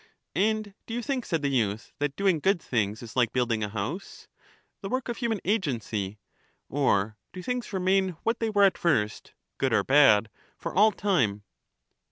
And do you think, said the youth, that doing good things is like building a house, — the work of human agency ; or do things remain what they were at first, good or bad, for all time?